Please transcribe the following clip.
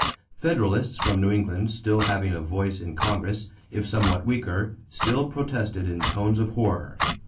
Federalists from New England still having a voice in Congress, if somewhat weaker, still protested in tones of horror.